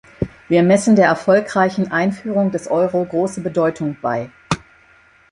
Wir messen der erfolgreichen Einführung des Euro große Bedeutung bei.